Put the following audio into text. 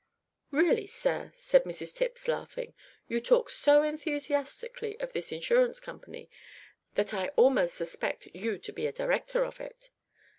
"Really, sir," said Mrs Tipps, laughing, "you talk so enthusiastically of this Insurance Company that I almost suspect you to be a director of it."